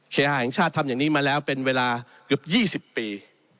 หาแห่งชาติทำอย่างนี้มาแล้วเป็นเวลาเกือบ๒๐ปี